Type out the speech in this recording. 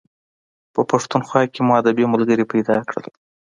په پښتونخوا کې مو ادبي ملګري پیدا کړل.